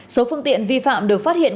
số phương tiện vi phạm được phát hiện